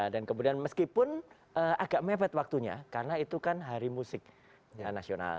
dan kemudian meskipun agak mepet waktunya karena itu kan hari musik nasional